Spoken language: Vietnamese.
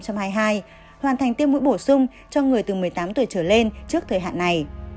hoàn thành tiêm mũi bổ sung cho người từ một mươi tám tuổi trở lên trước thời hạn này